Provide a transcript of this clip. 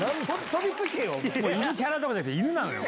飛びつけよ。